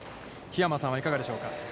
桧山さんはいかがでしょうか。